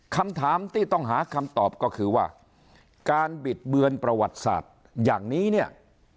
คำถามที่ต้องหาคำตอบก็คือว่าการบิดเบือนประวัติศาสตร์อย่างนี้เนี่ย